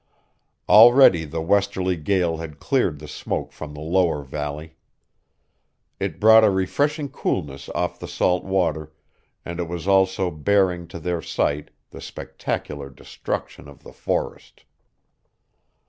Already the westerly gale had cleared the smoke from the lower valley. It brought a refreshing coolness off the salt water, and it was also baring to their sight the spectacular destruction of the forest.